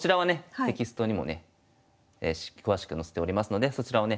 テキストにもね詳しく載せておりますのでそちらをね